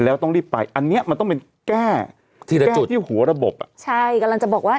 แล้วต้องรีบไปอันเนี้ยมันต้องเป็นแก้ทีละจุดที่หัวระบบอ่ะใช่กำลังจะบอกว่า